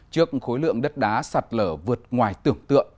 trước khối lượng đất đá sạt lở vượt ngoài tưởng tượng